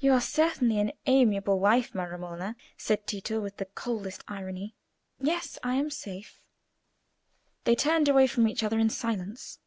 "You are certainly an amiable wife, my Romola," said Tito, with the coldest irony. "Yes; I am safe." They turned away from each other in silence.